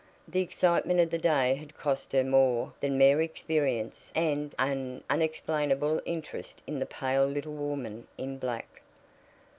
The excitement of the day had cost her more than mere experience and an unexplainable interest in the pale little woman in black.